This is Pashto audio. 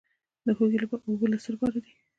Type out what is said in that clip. د هوږې اوبه د څه لپاره دي؟